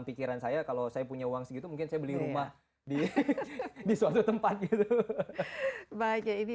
pikiran saya kalau saya punya uang segitu mungkin saya beli rumah di di suatu tempat gitu baik ya ini